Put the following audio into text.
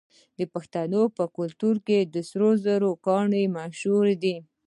د پښتنو په کلتور کې د سرو زرو ګاڼې مشهورې دي.